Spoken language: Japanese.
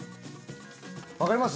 わかります？